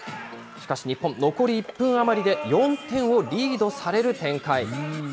しかし日本、残り１分余りで４点をリードされる展開。